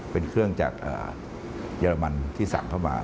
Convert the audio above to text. เป็นเครื่องจากเยอรมันที่สั่งเข้ามา